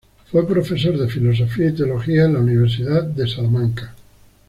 Fue profesor de Filosofía y Teología en la Universidad de Salamanca.